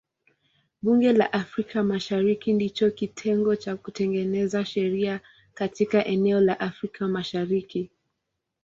Bunge la Afrika Mashariki ndicho kitengo cha kutengeneza sheria katika eneo la Afrika Mashariki.